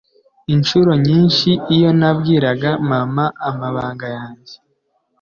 Incuro nyinshi iyo nabwiraga mama amabanga yanjye